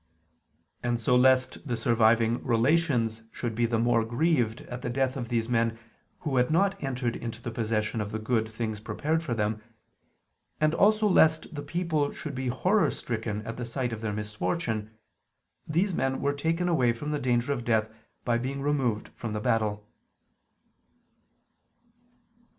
And so lest the surviving relations should be the more grieved at the death of these men who had not entered into the possession of the good things prepared for them; and also lest the people should be horror stricken at the sight of their misfortune: these men were taken away from the danger of death by being removed from the battle.